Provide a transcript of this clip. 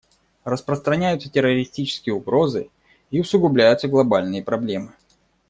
Распространяются террористические угрозы и усугубляются глобальные проблемы.